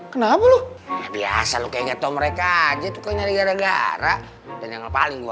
kenapa lu biasa lu kayak tau mereka aja tuh nyari gara gara dan yang paling gue